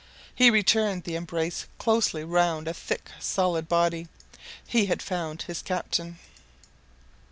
He returned the embrace closely round a thick solid body. He had found his captain.